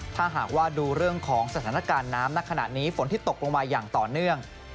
ถ้าหากว่าดูเรื่องของสถานการณ์น้ำณขณะนี้ฝนที่ตกลงมาอย่างต่อเนื่อง